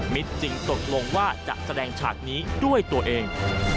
จึงตกลงว่าจะแสดงฉากนี้ด้วยตัวเอง